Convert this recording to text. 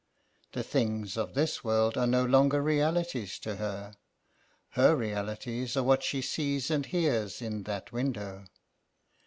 The things of this world are no longer realities to her. Her realities are what she sees and hears in that window.